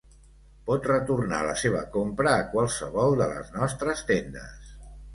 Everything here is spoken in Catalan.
Pot retornar la seva compra a qualsevol de les nostres tendes.